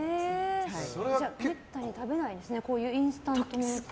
めったに食べないですねこういうインスタントのは。